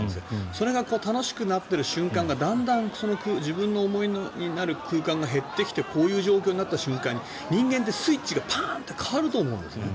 それが楽しくなってる瞬間がだんだん自分の思いどおりになる空間が減ってきてこういう状況になった瞬間に人間ってスイッチがパーンと変わると思うんですね。